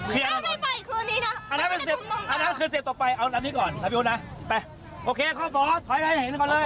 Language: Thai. ถ้าไม่ไปคืออันนี้นะอันนั้นคือสิบต่อไปเอาแบบนี้ก่อนแบบนี้นะไปโอเคข้อสอดถอยไปไหนกันก่อนเลย